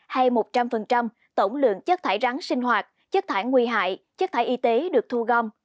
hay một trăm linh tổng lượng chất thải rắn sinh hoạt chất thải nguy hại chất thải y tế được thu gom